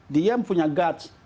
dia punya guts